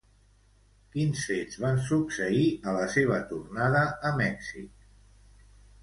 Quins fets van succeir a la seva tornada a Mèxic?